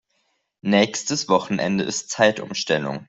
Nächstes Wochenende ist Zeitumstellung.